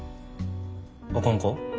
あかんか？